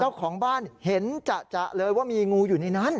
เจ้าของบ้านเห็นจะเลยว่ามีงูอยู่ในนั้น